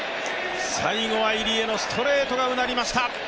最後は入江のストレートがうなりました。